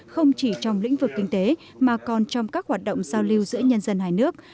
không chỉ trong lĩnh vực kinh tế mà còn trong các hoạt động giao lưu giữa nhân dân hai nước